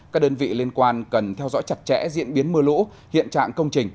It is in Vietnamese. các đơn vị liên quan cần theo dõi chặt chẽ diễn biến mưa lũ hiện trạng công trình